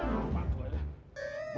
berantem berantem deh